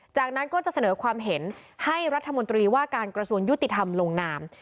จากนั้นก็จะเสนอความเห็นให้รัฐมนตรีว่าการกระทรวงยุติธรรมลงนาม